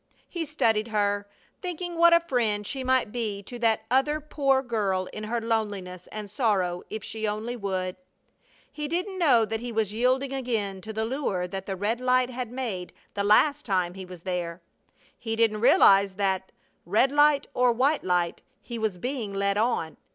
He studied her, thinking what a friend she might be to that other poor girl in her loneliness and sorrow if she only would. He didn't know that he was yielding again to the lure that the red light had made the last time he was there. He didn't realize that, red light or white light, he was being led on.